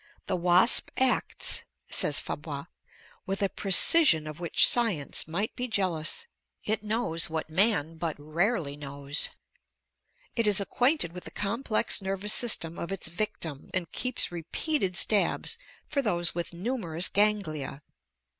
"The wasp acts," says Fabre, "with a precision of which science might be jealous; it knows what man but rarely knows; it is acquainted with the complex nervous system of its victim, and keeps repeated stabs for those with numerous ganglia.